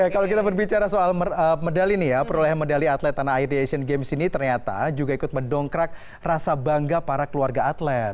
kalau kita berbicara soal medali nih ya perolehan medali atlet tanah air di asian games ini ternyata juga ikut mendongkrak rasa bangga para keluarga atlet